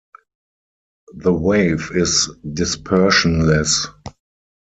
The wave is dispersionless.